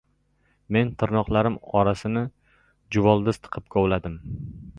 Men tirnoqlarim orasini juvoldiz tiqib kovladim.